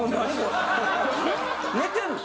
寝てんの？